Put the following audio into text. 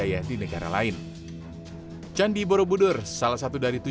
yang membawa pasir